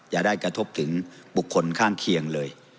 อย่าได้กระทบถึงบุคคลข้างเคียงเลย